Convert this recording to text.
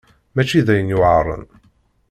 Mačči d ayen yuɛren.